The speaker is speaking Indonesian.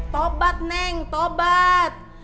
tobat neneng tobat